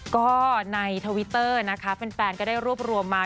ก็ในทวิตเตอร์นะคะแฟนก็ได้รวบรวมมา